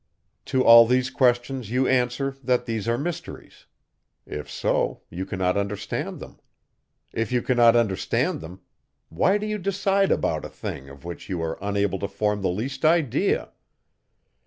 To all these questions you answer, that these are mysteries. If so, you cannot understand them. If you cannot understand them, why do you decide about a thing, of which you are unable to form the least idea?